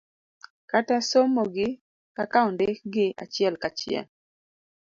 kata somogi kaka ondikgi achiel kachiel